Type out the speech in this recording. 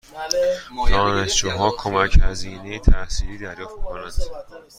دانشجوها کمک هزینه تحصیلی دریافت می کنند؟